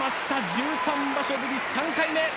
１３場所ぶり３回目！